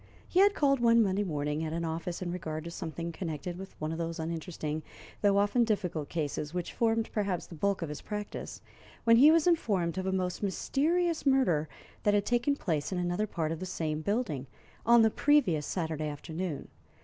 He had called one Monday morning at an office in regard to something connected with one of those uninteresting, though often difficult, cases which formed, perhaps, the bulk of his practice, when he was informed of a most mysterious murder that had taken place in another part of the same building on the previous Saturday afternoon.